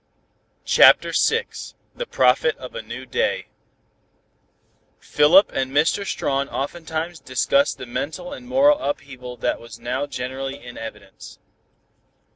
CHAPTER VI THE PROPHET OF A NEW DAY Philip and Mr. Strawn oftentimes discussed the mental and moral upheaval that was now generally in evidence.